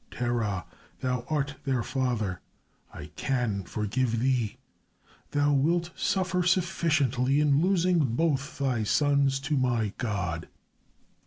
Terah, thou art their father. I can forgive thee; thou wilt suffer sufficiently in losing both thy sons to my god."